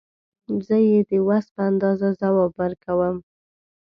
زه یې د وس په اندازه ځواب ورکوم.